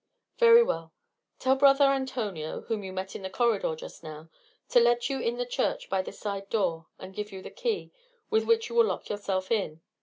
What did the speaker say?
"Very well. Tell brother Antonio whom you met on the corridor just now to let you in the church by the side door and give you the key, with which you will lock yourself in.